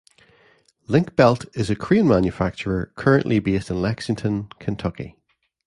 Link-Belt is a crane manufacturer currently based in Lexington, Kentucky.